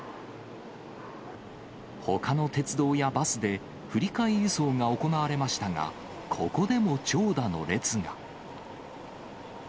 ほかの鉄道やバスで振り替え輸送が行われましたが、ここでも長蛇の列が。